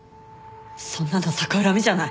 そんなの逆恨みじゃない。